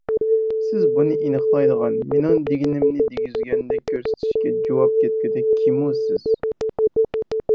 سىز بۇنى ئېنىقلايدىغان، مېنىڭ دېمىگىنىمنى دېگۈزگەندەك كۆرسىتىشكە جۇۋاپ كەتكۈدەك كىمۇ سىز؟